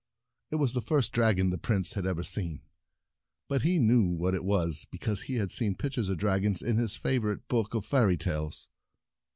It was the first dragon the Prince had ever seen, but he knew what it was because he had seen pictures of dragons in his favorite book of Fairy Tales.